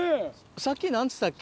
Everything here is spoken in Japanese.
さっき何つったっけ？